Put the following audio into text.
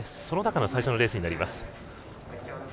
その中の最初のレースになります。